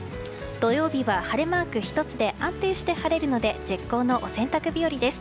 土曜日は晴れマーク１つで安定して晴れるので絶好のお洗濯日和です。